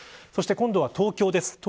そして、今度は東京です。